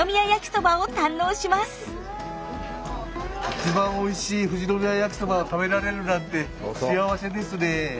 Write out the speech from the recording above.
一番おいしい富士宮やきそばを食べられるなんて幸せですね。